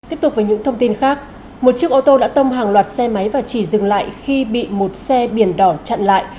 tiếp tục với những thông tin khác một chiếc ô tô đã tông hàng loạt xe máy và chỉ dừng lại khi bị một xe biển đỏ chặn lại